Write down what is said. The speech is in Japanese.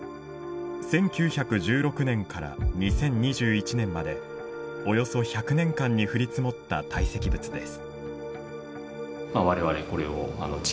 １９１６年から２０２１年までおよそ１００年間に降り積もった堆積物です。